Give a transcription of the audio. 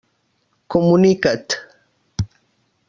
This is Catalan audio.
Comunica't.